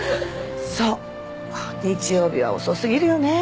そう日曜日は遅すぎるよね